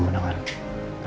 bukan gitu ya